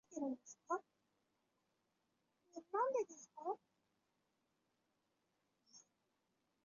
御嵩町为岐阜县可儿郡的町。